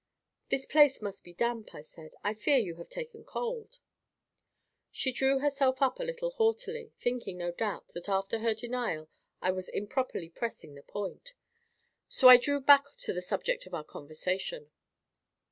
"This place must be damp," I said. "I fear you have taken cold." She drew herself up a little haughtily, thinking, no doubt, that after her denial I was improperly pressing the point. So I drew back to the subject of our conversation.